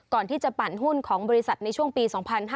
ก่อนที่จะปั่นหุ้นของบริษัทในช่วงปี๒๕๕๙